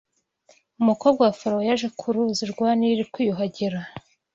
umukobwa wa Farawo yaje ku Ruzi rwa Nili kwiyuhagira